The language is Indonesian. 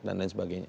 dan lain sebagainya